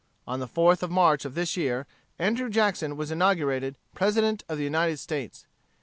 On the 4th of March of this year, Andrew Jackson was inaugurated President of the United States.